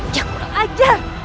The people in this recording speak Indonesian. jauh kurang ajar